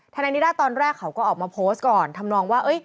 นายนิด้าตอนแรกเขาก็ออกมาโพสต์ก่อนทำนองว่า